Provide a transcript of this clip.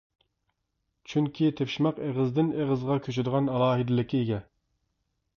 چۈنكى تېپىشماق ئېغىزدىن ئېغىزغا كۆچىدىغان ئالاھىدىلىككە ئىگە.